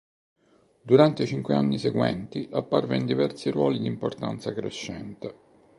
Durante i cinque anni seguenti apparve in diversi ruoli di importanza crescente.